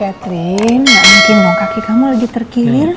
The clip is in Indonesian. catherine gak mungkin dong kaki kamu lagi terkilir